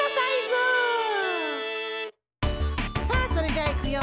さあそれじゃあいくよ！